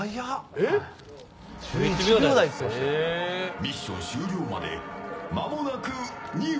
ミッション終了までまもなく２分。